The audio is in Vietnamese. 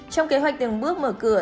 trong kế hoạch từng bước mở cửa